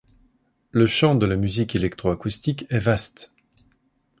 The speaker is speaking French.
Le champ de la musique électroacoustique est vaste.